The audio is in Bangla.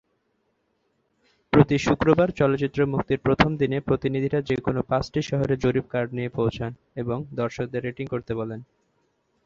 প্রতি শুক্রবার চলচ্চিত্র মুক্তির প্রথম দিনে প্রতিনিধিরা যে কোন পাঁচটি শহরে জরিপ কার্ড নিয়ে পৌঁছান এবং দর্শকদের রেটিং করতে বলেন।